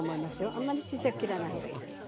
あんまりちっちゃく切らない方がいいです。